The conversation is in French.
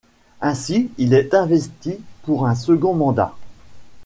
Ainsi, il est investi pour un second mandat.